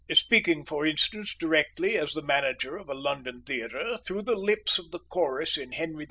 Speaking, for instance, directly, as the manager of a London theatre, through the lips of the chorus in Henry V.